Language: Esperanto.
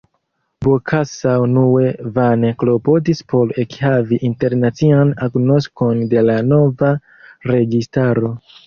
Bokassa unue vane klopodis por ekhavi internacian agnoskon de la nova registaro.